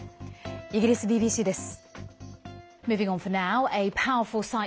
イギリスＢＢＣです。